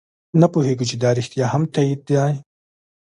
نه پوهېږو چې دا رښتیا هم تایید دی.